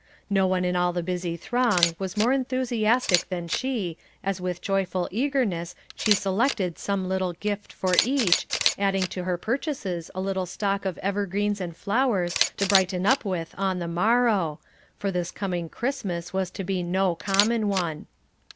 No one in all the busy throng was more enthusiastic than she, as with joyful eagerness she selected some little gift for each, adding to her purchases a little stock of evergreens and flowers to brighten up with on the morrow, for this coming Christmas was to be no common one.